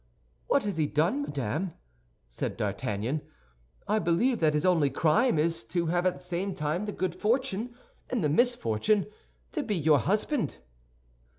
"What has he done, madame?" said D'Artagnan. "I believe that his only crime is to have at the same time the good fortune and the misfortune to be your husband."